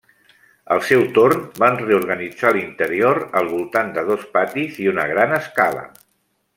Al seu torn, van reorganitzar l'interior al voltant de dos patis i una gran escala.